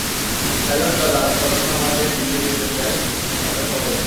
Pilot দাদা, আমি পড়াশোনা বাদ দিয়ে দিল্লী যেতে চাই পাইলট হবার জন্য।